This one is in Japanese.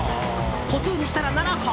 歩数にしたら７歩！